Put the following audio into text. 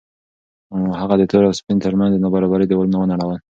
هغه د تور او سپین تر منځ د نابرابرۍ دېوالونه ونړول.